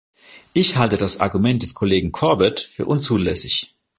Ich halte das Argument des Kollegen Corbett für unzulässig.